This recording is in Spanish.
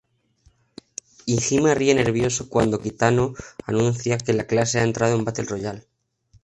Iijima ríe nervioso cuando Kitano anuncia que la clase ha entrado en Battle Royale.